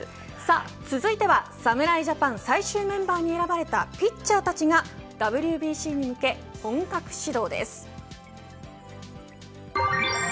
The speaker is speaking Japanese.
続いては侍ジャパン最新メンバーに選ばれたピッチャーたちがＷＢＣに向け本格始動です。